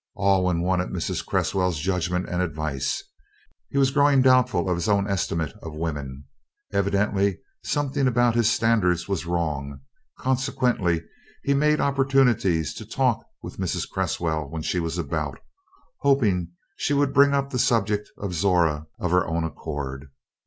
Alwyn wanted Mrs. Cresswell's judgment and advice. He was growing doubtful of his own estimate of women. Evidently something about his standards was wrong; consequently he made opportunities to talk with Mrs. Cresswell when she was about, hoping she would bring up the subject of Zora of her own accord.